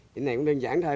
cái này cũng đơn giản thôi